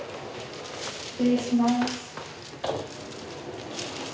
失礼します。